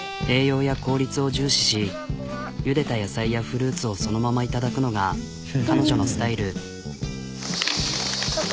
栄養や効率を重視しゆでた野菜やフルーツをそのままいただくのが彼女のスタイル。